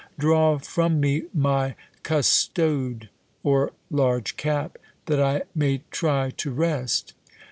Draw from me my custode (or large cap), that I may try to rest.'